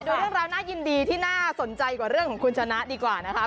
ดูเรื่องราวน่ายินดีที่น่าสนใจกว่าเรื่องของคุณชนะดีกว่านะครับ